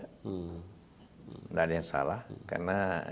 tidak ada yang salah karena